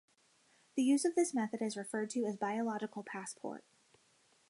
The use of this method is referred to as biological passport.